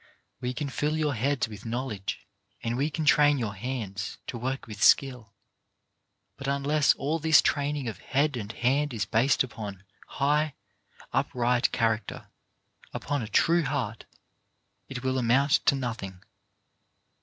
We can fill your heads with knowledge, and we can train your hands to work with skill, but unless all this training of head and hand is based upon high, upright character, upon a true heart, it will amount to nothing.